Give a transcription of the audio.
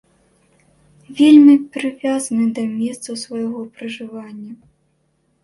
Вельмі прывязаны да месцаў свайго пражывання.